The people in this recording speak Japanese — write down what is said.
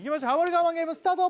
我慢ゲームスタート！